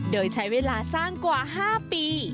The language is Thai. โดยใช้เวลาสร้างกว่า๕ปี